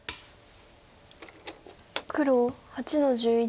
黒８の十一。